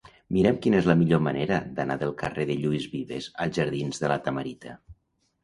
Mira'm quina és la millor manera d'anar del carrer de Lluís Vives als jardins de La Tamarita.